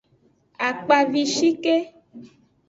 Akpavishike.